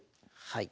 はい。